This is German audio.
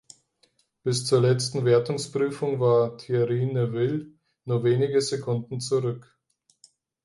Bis zur letzten Wertungsprüfung war Thierry Neuville nur wenige Sekunden zurück.